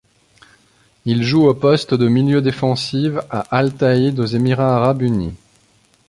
Il joue au poste de milieu défensif à Al Thaid aux Émirats arabes unis.